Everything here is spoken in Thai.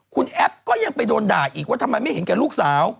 คุณแอปก็ยังไปโดนด่าอีกว่าทำไมไม่เห็นแก่ลูกสาว